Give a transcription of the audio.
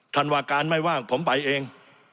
ท่านวาการไม่ว่างผมไปเอง